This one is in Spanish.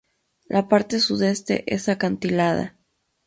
La parte sudeste es acantilada.